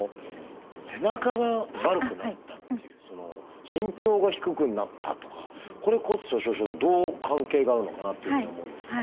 「背中が丸くなった」っていう「身長が低くなった」とかこれ骨粗しょう症とどう関係があるのかなっていうふうに思うんですが。